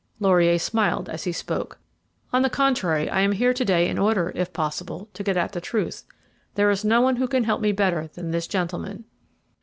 Laurier smiled as he spoke. "On the contrary, I am here to day in order, if possible, to get at the truth. There is no one who can help me better than this gentleman."